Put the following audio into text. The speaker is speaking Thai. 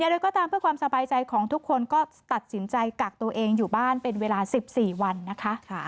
โดยก็ตามเพื่อความสบายใจของทุกคนก็ตัดสินใจกักตัวเองอยู่บ้านเป็นเวลา๑๔วันนะคะ